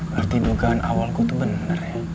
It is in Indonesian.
berarti dugaan awal gua tuh bener